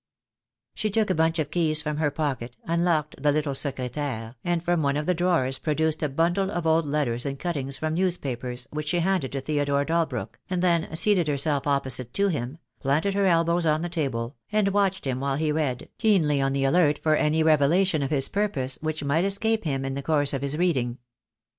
She took a bunch of keys from her pocket, unlocked the little secretaire, and from one of the drawers produced a bundle of old letters and cuttings from newspapers, which she handed to Theodore Dalbrook, and then seated herself opposite to him, planted her elbows on the table, and watched him while he read, keenly on the alert for any revelation of his purpose which might escape him in the course of his reading.